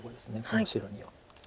この白に。